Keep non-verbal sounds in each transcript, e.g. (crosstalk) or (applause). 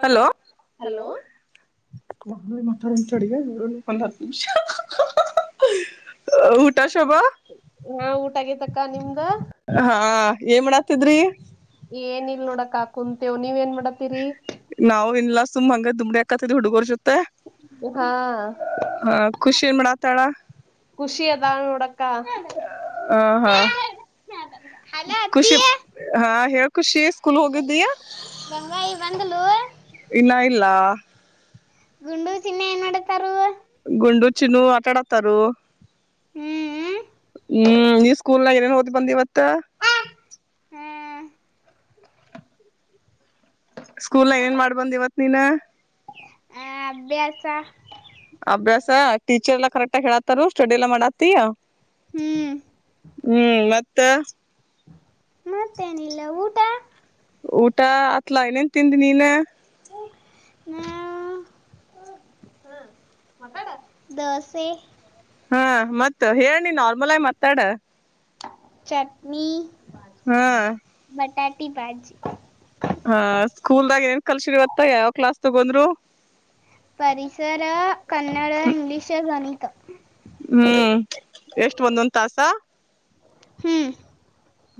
ಹಲೋಲೋ ಮಾತಾ ಚ. ಹಾ ಊಟಾಗ ತಕ್ಕ. ಕ ನಿಿಂದ. ಹಾ ಏನ್ ಮಾಡಾತಿದ್ರಿ. ಏನಲ್ ನೋಡ ಕಾಕ ಕುಂತೆೇವ ನೀವ ಏನ್ ಮಾಡತೀರಿ. ನಾವು ಇಲ್ಲ ಸುಮ್ಮ್ ಹಂಗದ. ತು. ತ ಹುಡುಗರ್ ಜೊತೆ ಹ ಖುಷಿ ನ್ ಮಾಡ. ತಳ. ಖುಷಿ ಎದ ಉಡಕ್ಕಾ. ಹ ಹಾ ಖುಷಿ ಹಾ ಹೇ ಗಂಗಾಯ ಬಂದಳು ಇನ್ನ ಇಲ್ಲ ಗುಂಡು ಚಿನ್ನ ಏನ್ನಡತಾರ ಗುಂಡು ಚಿನ್ನು ಆಟಾಡತಾರೂ ಹ್ಮ್ ಹ್ಮ್ ಹ್ಮ್ ನೀವ್ ಸ್ಕೂಲ್ನಾಗ ಏನೇನ್ ಓದ ಬಂದ ಇವತ್ತ ಹ್ಮ್, ಸ್ಕೂಲ್ ನ ಏನೇನ್ ಮಾಡ್ಬಂದ್ ಇವತ್ ನೀನ್ ಸಾ ಅಭ್ಯಾಸ ಟೀಚರ್ ಎಲ್ಲಾ ಕರೆಕ್ಟ್ ಆ ಹೇಳತಾರ ಸ್ಟಡಿ ಎಲ್ಲಾ ಮಾಡತ್ತ ಹ್ಮ್ ಹ್ಮ್ ಮತ್ತೆ ತ್ತ ಮತ್ತೇನಿಲ್ಲ ಊಟ ಊಟ ಅತ್ಲ ಇನ್ನೇನ್ ತಿಂದೆ ನೀನ್ ಹಾ ದೋಸೆ ಹಾ ಮತ್ತ ಹೇಳ ನಾರ್ಮಲ್ ಆಗಿ ಮಾತಾಡ ಚಟ್ನಿ ಹಾ ಕಟ್ಟಿ ಬಜಿ ಹ ಸ್ಕೂಲ್ದಾಗ ಏನ್ ಕಲ್ಸಿರಿವತ್ತ ಯಾವ ಕ್ಲಾಸ್ ತಗೊಂಡ್ರು ಪರಿಸರ ಕನ್ನಡ ಇಂಗ್ಲಿಷ್ ಗಣಿತ ಹ್ಮ್ ಎಷ್ಟ ಒಂದೊಂದ ತಾಸ ಹ್ಮ್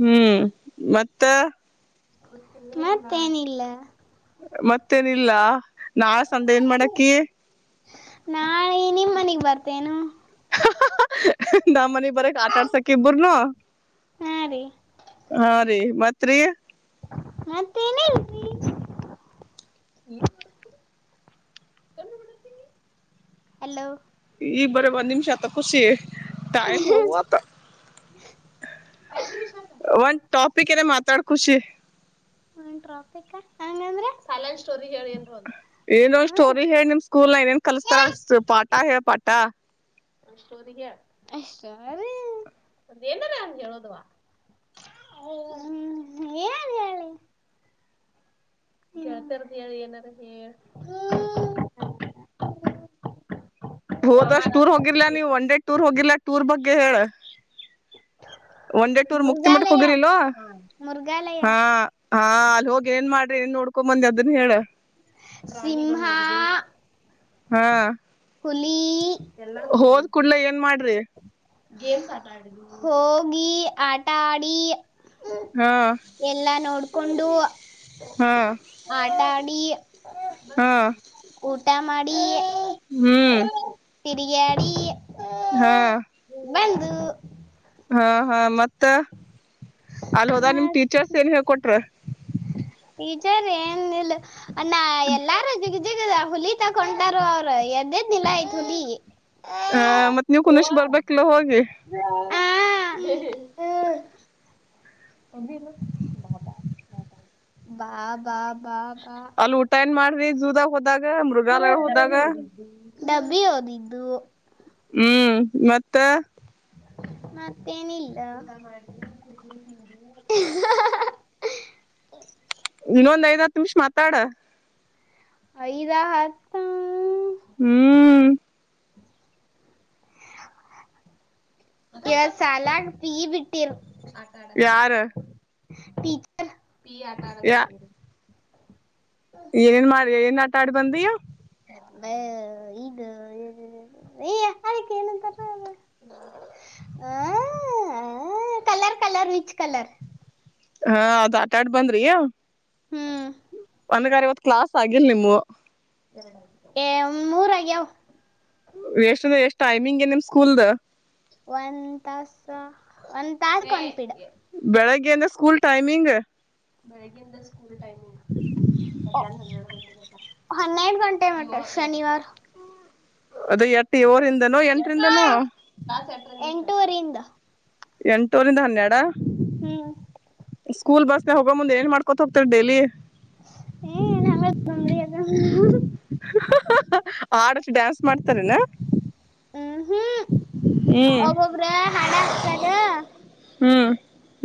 ಹ್ಮ್ ಮತ್ತ ಮತ್ತೇನಿಲ್ಲ ಮತ್ತೇನಿಲ್ಲ ನಾ ಸಂದೆ ಏನ್ ಮಾಡಕಿ ತನು (unintelligible) ನಮ್ಮ ಮನಿ ಬರಕ್ ಆಟಾಡ್ಸಕ ಇಬರನು ಹಾ ರೀ (unintelligible) ಹಾ ರಿ ಮತ್ರಿ ಮತ್ತೇನಿಲ್ರೀ (unintelligible) ಹಲೋ ಈ ಬರ ಒಂದ್ ನಿಮಿಷತ್ತ ಖುಷಿ ಟೈಮ ಹೋಗುವಲ್ತ್ (unintelligible) ಒಂದು ಟಾಪಿಕಿಧೆ ಮಾತ (unintelligible) ತಡಖುಷಿ (unintelligible) ಹಟ್ರಾಪಿಕಾ ಅಂಗಾನ್ದ್ರ ಏನ್ ಒ ಸ್ಟೋರಿ ಹೇಳಿ ನಿಮ್ ಸ್ಕೂಲ್ ನ ಏನ್ ಕಲಸ್ತಾರ ಪಾಠ ಹೇಳ ಪಾಠ ಕುತ್ತ (unintelligible) ಗೆ ಹೇಳದವಾ ಏನ್ ಹೇಳಿ (unintelligible) ಕತರ್ದ ಅ ಏನಾರ ಹ (unintelligible) (unintelligible) ಹೋದಷ್ಟ ಟೂರ್ ಹೋಗಿಲ್ಲಾ ನೀ್ ಒನ್ ಡೇ ಟೂರ್ ಹೋಗಿಲ್ಲಾ ಟೂರ್ ಬಗ್ಗೆ ಹೇಳ ಹ (unintelligible) ಒಂದೇ ಟೂರ್ ಮುಕ್ತಿ ಮಟ್ಟಕ್ ಹೋಗಿರಿಿಲ್ವವಾ ಮೃಗಾಲಯ ಹಾ ಹಾ ಅಲ್ಲಿ ಹೋಗಿ ಏನ್ ಮಾಡ (unintelligible) (unintelligible) ನ್ ನೋಡ್ಕೊ ಬಂದ ಅದನು ಹೇಳ ಸಿಂಹ ಹಾ (unintelligible) ಹುಲಿ (unintelligible) ಎಲ್ಲ ನೋಬ ಹೋದ್ ಕೂಡ್ಲೆ ಏನ್ ಮಾಡ್ರಿ (unintelligible) ಮ (unintelligible) ಹೋಗಿ ಆಟ ಆಡಿ (unintelligible) ಹಾ ಎಲ್ಲಾ ನೋಡ್ ಕೊಂಡ ಹಾ (unintelligible) ಅಡಿ ಹಾ (unintelligible) ಊಟ ಮಾಡ ಹ್ಮ್ (unintelligible) ತಿರುಗ ಆಡಿ ಹಾ ಬಂದು (unintelligible) ಹಾ ಹಾ ಮತ್ತೆ ಮತ್ತ (unintelligible) ಅಲ್ ಹೋದಾಗ ನಿಮ್ ಟೀಚರ್ಸ್ ಏನ್ ಹೇಳ್ಕೊಟ್ರ ಈಜಾರ ಏನ್ಲ್ (unintelligible) ಹ್ಮ (unintelligible) ಜಿಗ ಹುಲಿ ತಕೊಂಡಾರ ಅವ್ರು ಎದ್ದೇದ್ ನಿಲ ಆಯ್ತ್ ಹುಲಿ ಆ ಮತ್ ನೀವ್ ಕುನಷ ಬರ್ಬೇಕಿಲ್ಲ ಹೋಗಿ ಹ (unintelligible) ಹ್ಮ್ (unintelligible) ಉದನು ಬಾ ಬಾ ಬಾ ಬಾ ಬಾ ಅಲ್ ಊಟ ಏನ್ ಮಾಡ್ರಿ ಜೂದಾಗ ಹೋದಾಗ ಮೃಗಲಾಯ ಹೋದಾಗ ಡಬಿ ಓದಿದ್ದು ಹ್ಮ್ ಮತ್ತೆ ಮತ್ತೇನಿಲ್ಲ ಇನ್ನೊಂದ ಐದ್ ಹತ್ತು ನಿಮಿಷ ಮತ ತ್ತಡ ಐದಾ ಹತ್ತ ಹ್ಮ್ ಎರಡ್ ಸಲಾಗ ಪೀ ಬಿಟಲ್ ಆಟಾಡಕ್ಕ ಯಾರ ಟೀಚರ್ ಆಟಆಡೋಕೆ ಯಾ ಬಿಟ್ಟಿಲ್ಲ ಏನೇನ್ ಮಾಡಿ ಏನ್ ಆಟ ಆಟಡ್ ಬಂದಿ ಇದು ಏನುಂತ ಹ ಕಲರ್ ಕಲರ್ ವಿಚ್ ಕಲರ್ ಹಾ ಅದ್ ಆಟ ಆಡ್ ಬಂದ್ರಿಯ ಹ್ಮ್ ಒಂದ ಕಡೆ ಇವತ್ತು ಕ್ಲಾಸ್ ಆಗ ಇಲ್ ನಿವು ಏ ಮೂರಗ್ಯಾವ ಎಷ್ಟಂದ ಎಷ್ಟ್ ಟೈಮಿಂಗ್ ನಿಮ್ ಸ್ಕೂಲ್ದ ಒಂದ್ ತಾಸ ಒಂದ್ ತಾಸ್ಕ್ ಒಂದು ಪಿರಿಯಡ್ ಬೆಳಗ್ಗೆ ಅಂದ್ರ ಸ್ಕೂಲ್ ಟೈಮಿಂಗ್ ಬೆಳಗೆಂದ ಓಹೋ ಹನ್ನೆರಡು ಗಂಟೆ ಮಟೆ ಶನಿವಾರ ಅದು ಎಟ್ಟು ಏಳುನಿಂದ ಕ್ಲಾಸ್ ಎಂಟ್ಟರಿಂದ ಎಂಟುವರಿಯಿಂದ ಎಂಟೂರಿಂದ ಹನ್ನೆರಡ ಹ್ಮ್ ಸ್ಕೂಲ್ ಬಸ್ಗೆ ಹೋಗ ಮುಂದ ಏನ್ ಮಾಡ್ಕೊತ ಹೋಗತಾರೆ ಡೇಲಿ ಏ ನಮಿಗೆ ತೊಂದ್ರೆ ಅದಾವ ಆಡಷ್ಟು ಡ್ಯಾನ್ಸ್ ಮಾಡ್ತಾರನಾ ಹ್ಮ್ ಹ್ಮ್ ಒಬ್ಬೊಬ್ರ ಹಾಡ ಹಾಕ್ತಾರ ಹ್ಮ್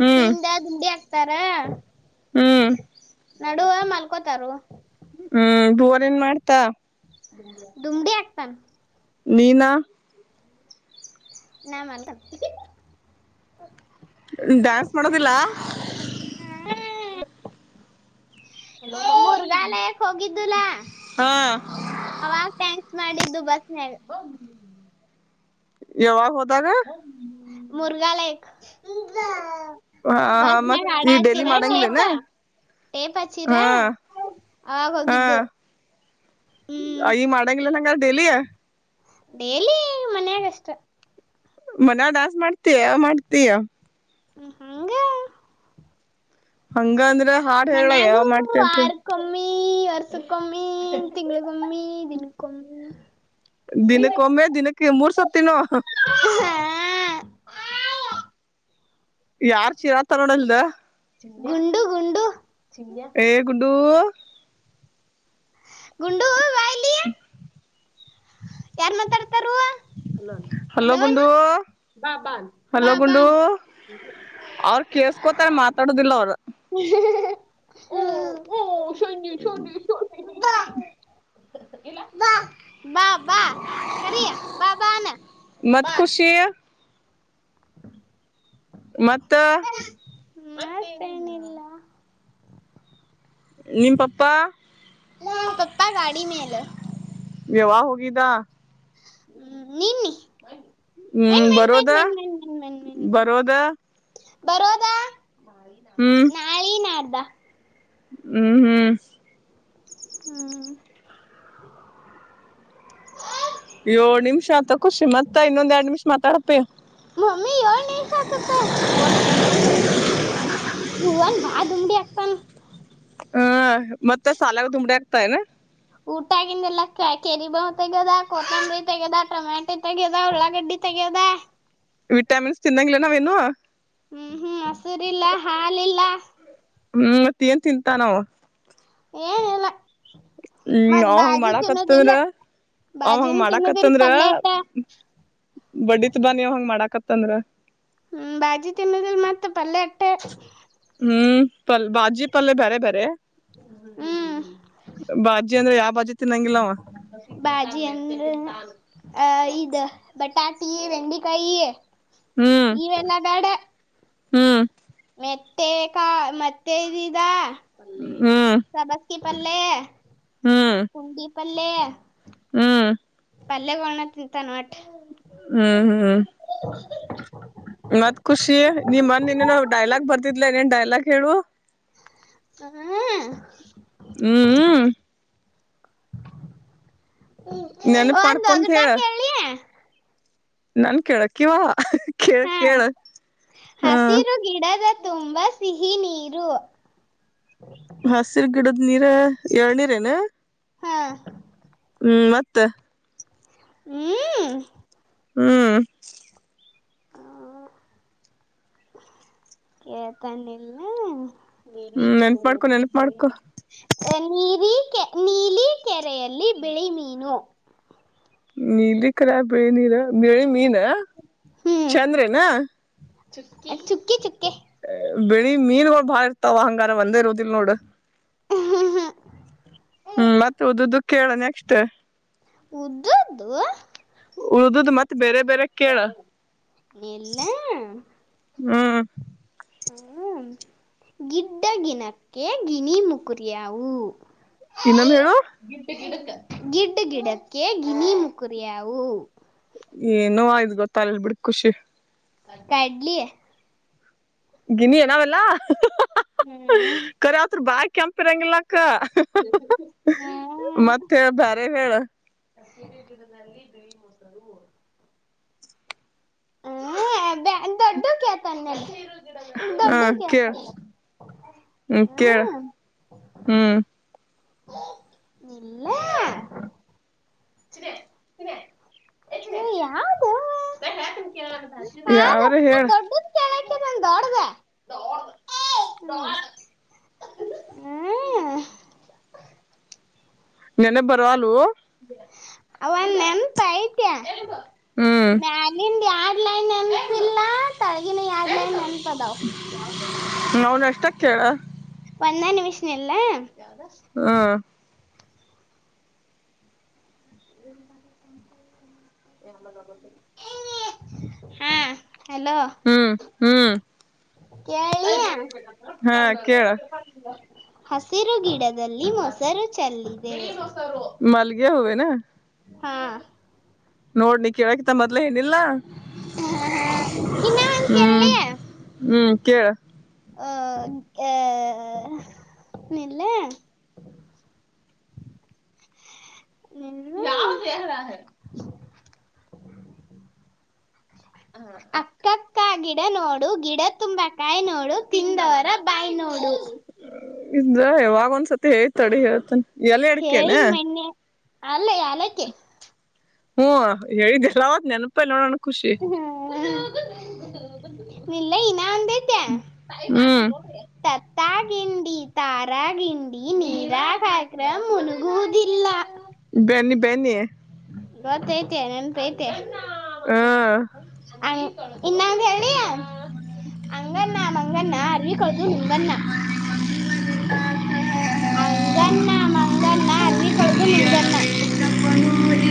ಹ್ಮ್ ಹಿಂದ ದುಂಡಿ ಹಾಕ್ತಾರ ರ್ ಹ್ಮ್ ನಡುವೇ ಮಲ್ಕೋತಾರೊ ಹ್ಮ್ ಬೋರ್ ಏನ್ ಮಾಡ್ತ ದುಮಡಿ ಆಕ್ತನ್ ನೀನಾ ನಾ ಮಾಡ್ತ ಡ್ಯಾನ್ಸ್ ಮಾಡೋದಿಲ್ಲ (unintelligible) ರುಗಾಲ (unintelligible) ಹೋಗಿದ್ದುಲಾ ಹಾ ಮಾಡಿದ್ದು ಬಸ್ ಮೇಲೆ (unintelligible) ಯಾವಗ್ (unintelligible) ಹ್ಮ (unintelligible) ಮುರುಘಾಲಕ್ಕ (unintelligible) ಹಾ ಹ ಮತ್ತ ಹಾಡ ಈ ಡೇಲಿ ಹಚ್ಚಿರ ಟೇಪ ಮಾಡಂಗ್ಲನಾ ಟೇಪ್ ಹಚ್ಚಿರ ಹಾ ಅವಾಗ ಹಾ ಹೋಗಿದ್ದು ಈ ಮಾಡಂಗ್ಲಂಗ (unintelligible) ದಲಿಯ (unintelligible) ಡೇಲಿ ಮನ್ಯಾಗಷ್ಟ (unintelligible) ಮನ ದಸ್ (unintelligible) ಮಾಡ್ತಯ ಮಾಡ್ತಯ ಹ್ಮ ಹಂಗ (unintelligible) ಹಂಗ ಅಂದ್ರ ಹಾಡ್ ಹೇಳಲ್ಲ (unintelligible) ಯಾವ ಮಾಡ್ತಿಂತ ಈ ಅರ್ಥ (unintelligible) ಕಮ್ಮಿ ತಿಂಗಗಳು ಕಮ್ಮ (unintelligible) ಇ ಇದಿನಕೊಮ (unintelligible) ದಿನಕ್ಕ ಒಮ್ಮೆ ದಿನಕ್ಕೆ ಮೂರ್ ಸತಿನ್ನು (unintelligible) ಯಾರ್ ಚೀರಾತ (unintelligible) ನೋಡಲ್ದ ಗುಂಡು ಗುಂಡು ಏ ಗುಂಡು ಗುಂಡು ಬಾ ಇಲ್ಲಿ ಯಾರ್ ಮಾತಾಡ್ತಾರು ಹಲೋ ಗುಂಡು ಹಾಲ್ ಬಾ (unintelligible) ಹ (unintelligible) ಓ ಓ ಸನ್ಯ ಸನ್ನ ಸ (unintelligible) ಇಲ್ಲಾ ಬಾ (unintelligible) ಬಾ ಕರಿಯ ಬಾ ಬಾನ ಮತ್ತ ಖುಷಿ (unintelligible) ಮತ್ತ ಮತೇನಿಲ್ಲ (unintelligible) ನಿಮ್ ಪಪ್ಪ ಹಾ ಪಪ್ಪ ಗಾಡಿ ಮೇಲ (unintelligible) ಯಾವಗ ಹೋಗಿದ ಹ್ಮ್ ನಿನ್ (unintelligible) ಹ್ಮ್ ಬರೋದಾ ಮೆನ್ ಮೆನ್ ಮೆನ್ ಮೆನ್ ಮೆನ್. ಬರೋದ (unintelligible) ಬರೋದಾ (unintelligible) ಹ್ಮ್ ನಾಳಿ ನಾಡ್ದ (unintelligible) ಹ್ಮ್ ಹ್ಮ್ ಹ್ಮ್, ಹೇ! (unintelligible) ಏಳು, ನಿಮಿಷತ ಖುಷಿ ಮತ್ತ ಇನ್ನೊಂದೆರಡ್ ನಿಮಿಷ ಮಾತಾಡಪ್ಪಿ? (inaudible) ಮಮ್ಮಿ ಏಳ್ ನಿಮಷ ಅತ್ಯಾಯ್ತು! ಭುವನಾನ, ಫೋನಿನಲ್ಲಿ ಮಾತಾಡು ಅನ್ನು, ಭುವನ್ ಬಹಳ ತುಂಟಿ ಹತ್ರಆಗ್ತಾನ! (inaudible) ಹಾ! (inaudible) ಮತ್ತೆ, ಸಾಲಾಗ ದುಂಬಡಿ ಆಗುತಾಯೇನು? (inaudible) ಕೆರಿ ಬಾವ ತೆಗ್ಯದ, ಕೊತ್ತಂಬರಿ ತೆಗದ, ಟೊಮ್ಯಾಟೊ ತೆಗ್ಯದ, ಉಳ್ಳಾಗಡ್ಡಿ ತೆಗ್ಯದ? (inaudible) ವಿಟಾಮಿನ್ಸ್, ತಿನ್ನಂಗಿಲ್ಲ, ನಾವು, ಇನ್ನೂ? (inaudible) ಹ್ಮ್, ಹ್ಮ್, ಮೊಸರಿಲ್ಲ ಹಾಲಿಲ್ಲ? (inaudible) ಹ್ಮ್, ಮತ್ತೇಏನ್, ತಿಂತಾನೋ? (inaudible) ಏನೂ, ಇಲ್ಲ! (inaudible) ಹ್ಮ್ ಅವ ಹಂಗೂ, ಮಾಡಾಕತ್ತಂದ್ರ, ಅವ ಹಂಗ ಬಾಜಿನ ತಿನ್ನೋದಿಲ್ ಮಾಡಾಕತ್ತಂದ್ರ ಪಲ್ಯ ಅಟ್ಟ ಬಡ್ಡತ್ ಬಾನಿ ಅವ ಹಂಗ ಮಾಡಾಕತು? (inaudible) ತಂಧರಾ? (inaudible) ಹ್ಮ, ಬಾಜಿ ತಿನ್ನದಲ್ ಮತ್ತೆ ಪಲ್ಯ? (inaudible) ಹ್ಮ್... (inaudible) ಪಲ್, ಬಾಜಿ, ಪಲ್ಲ್ಲೆ ಬೇರೆ, ಬೇರೆ? ಹ್ಮ್ (inaudible) ಬಾಜಿ, ಅಂದ್ರೆ ಯಾಪೂ? (inaudible) ಬ.... (unintelligible) ಬಾಜಿ, ಎಂದೂ? (inaudible) ಆ, ಇದು ಬಟಾಟಿ, ಬೆೆಂಡೆಕಾಯಿ? ಹ್ಮ್ (inaudible) ಇವೆಲ್ಲ, ಬೇಡಾ? (inaudible) ಹ್ಮ್... (inaudible) ಮೆತ್ತೆ ಕ ಮತ್ತೆ, ಏನು, ಇದ... (inaudible) ಹು, ಹ್ಮ್ ಸಭಾಸ್ಕಿಲ್. (inaudible) ಪಲ್ಲೆ? ಹ್ಮ್ (inaudible) ಪುಂಡಿ. (inaudible) ಪಲ್ಲ್ಲೇ? (inaudible) ಹ್ಮ್... (inaudible) ಪಲ್ಯಗಾನ, ತಿಂತಾನೆ, ನೋಡಿ? (inaudible) ಹ್ಮ್, ಹ್ಮ್ ಮತ್ ಖುಷಿ ನೀ, ಮೋನೆ, ಡೈಲಾಗ್ ಬರ್ತಿದ್ಲ ಏನು, ಡೈಲಾಗ್... (inaudible) ಹೇಳು? (inaudible) ಹ್ಮ... (inaudible) ಹ್ಮ್, ಹೂ... (unintelligible) (unintelligible) (inaudible) ಹ್ಮ, ನೆನಪ ಒಂದು, ಮಾಡ್ಕೊಂತ ಒಗಟು, ಹೇಳ ಕೇಳಿ? (inaudible) ನನ್ ಕೆಳಕು, ಕಿಯೋ? (inaudible) ಕೆ, ಹಾ ಕೇಳು ಹ್ಮ. (unintelligible) ತುಂಬಾ, ಸಿಹಿ, ನೀರು. (inaudible) ಹಸಿರು, ಗಿಡದ ನೀರು, ಎಳೆನೀರು ಏನೂ? (inaudible) ಹಾ.. (inaudible) ಊ ಮತ್ತ ಹ್ಮ್ ಹ್ಮ್ ಹ್ಮ ಕೇಳ್ತಾನಿಲ್ಲ. ನೀಲಿ ಹ್ಮ್ ಕೆ ನೆನ್ಪ ಮಾಡ್ಕೊ ನೀಲಿ ನೆನ್ಪ ಕೆ ಮಾಡ್ಕೊ ಏ ನೀರಿಕೆ ನೀಲಿ ಕೆರೆಯಲ್ಲಿ ಬಿಳಿ ಮೀನು? ನೀಲಿ ಕೆರೆಯಾಗ್ ಬೆಳಿ ನೀರ ಬಿಳಿ ಮೀನ ಚಂದ್ರೆನಾ? ಚ ಚುಕ್ಕಿ ಚುಕ್ಕೆ ಬೆಳಿ ಮೀನ್ಗಳು ಬಾಳ ಇರ್ತಾವ ಹಂಗಾರ ಒಂದೇ ಇರೋದಿಲ್ ನೋಡ್. ಹ್ಮ್ ಮತ್ತ ಓದುದು ಕೇಳ ನೆಕ್ಸ್ಟ್ ಉದ್ದದ್ದು ಉಳ್ದುದು ಮತ್ ಬೇರೆ ಬೇರೆ ಕೇಳ್ ಎಲ್ಲ ಹ್ಮ್ ಹ ಗಿಡ್ಡ ಗಿನಕ್ಕೆ ಗಿನಿ ಮುಕುರಿಯವು? ಇನ್ನೊಮ್ಮೆ ಹೇಳು. ಗಿಡ್ ಗಿಡಕ್ಕೆ ಗಿನಿ ಮುಕುರಿಯಾವು? ಏನು ಆಯ್ದ್ ಗೊತ್ತಾಲಲ್ ಬಿಡ್ ಖುಷಿ. ಕಡ್ಲಿ ಗಿನಿ ಏನಾವೆಲ್ಲಾ ಹ ಹ ಹ ಹ ಹ ಹ್ಮ್ ಕರಿಯತ್ರ್ ಬಾ ಕರಂಗಿಲಾಕ್ಕ ಹ ಹ ಹ ಹ್ಮ್ ಮತ್ತೆ ಹೇ ಬ್ಯಾರೆ ಹೇಳ್ ಗಡಗಿಡದಲ್ಲಿ ಬಿಳಿ ಮೊಸಲು ಹ ದೊಡ್ಡು ಕೆತನ್ ನೆ ಹ ದೊಡ್ಡು ಕೇಳ ಕೆತನ್. ಹ್ಮ ಕೇಳ ಹ್ಮ್ ಹ್ಮ್ ಚಿನ್ನಿ ಏಯ್ ಯಾವ್ದವ್ವ ನಾ ಯಾವ್ರ ಹೇಳ ದೊಡ್ದುದ್ ಕೇಳ ಡ್ದುದೊಂದ್ ದೊಡ್ದ ಹ್ಮ್ ಆ ಅ. ನೆನೆಪ್ ಬರ್ವಾಲು. ಅವೊಂದ್ ನೆನ್ಪಾಯ್ ತೆ ಹ್ಮ್ ಮ್ಯಾಲಿಂದ ಯಡ್ ಲೈನ್ ನೆನಪಿಲ್ಲ ತಳಗಿನ ಯಡ್ ಲೈನ್ ನೆನಪದಾವ್. ತ್ತ ಕೇಳ್ ಒಂದೇ ನಿಮಿಷ ನಿಲ್ಲ. ಯಾವ್ದ? ಹ್ಮ್ ಹಾ ಹಲೋ ಹ್ಮ್ ಹ್ಮ್ ಕೇಳಿ ಹಾ ಕೇಳ ಹಸಿರು ಗಿಡದಲ್ಲಿ ಮಸ ಸರು ಚಲ್ಲಿದೆ ಮಲ್ಲಿಗೆ ಹೂ ಏನ ಹಾ ನೋಡ್ನಿ ಕೇಳಕತ್ತ ಮೊದ್ ಏನಿಲ್ಲಾ ಹಾ ಹಾ ಇನ್ನ ಅಂತ ಹ್ಮ್ ಹ್ಮ್ ಕೇಳ ಆ ಆ ನಿಲ್ಲ ಹ್ಮಲ್ಲ ಅಕ್ಕಕ್ಕ ಗಿಡ ನೋಡು ಗಿಡ ತುಂಬಾ ಕಾಯಿ ನೋಡು ತಿಂದವರ ಬಾಯಿ ನೋಡು ಇದ್ದ ಯಾವಾಗ ಒಂದ್ಸತಿ ಹೇಳ್ತಾಡಿ ಹೇಳ್ತಾನ ಎಲ್ಲ ಅಡ್ಕೇನ. ಹೇಳಿನ ಮಣ್ಣೆ ಅಲ್ಲ ಯಾಲಕ್ಕೆ. ಹ್ಮ ಹೇಳಿದ್ದಲ್ಲ ಅವತ್ ನೆನಪಲ್ಲ ನೋಡೋಣ. ಖುಷಿ. ಇಲ್ಲ ಇ. ನಿದ್ದ ಹ್ಮ್ ತತ್ತ ಗಿಂಡಿ ತಾರ. ಡ್ರ್ಯಾಗಿನ್. ನೀರ ಕಾರ್ಯಕ್ರಮ್ ಮು. ಹದಿಲ್ಲ. ಬನ್ನಿ ಬನ್ನಿ. ಗೊತ್ತ ಐತ ನೆನ್. ಹಾ ಹ್ಮ್ಮ್. ಇನ್ನ ಕನಯ. ಅಂಗಣ್ಣ ಮಂಗಣ್ಣ ಅರವಿಿಕಳದು ನುಂಗಣ್ಣ ಅಂಗಣ್ಣ ಮಂಗಣ್ಣ ಅರವಿ ಕಳದು ನುಂಗ್ಣ. ಒಂದು.